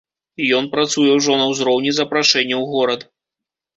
Ён працуе ўжо на ўзроўні запрашэння ў горад.